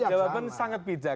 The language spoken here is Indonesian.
jawaban sangat bijak